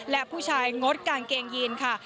และผู้ชายงดกางเกงยีนค่ะ